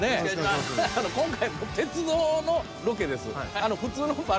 今回も鉄道のロケです。